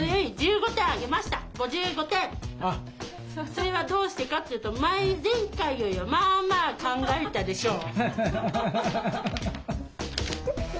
それはどうしてかって言うと前回よりまあまあ考えたでしょう。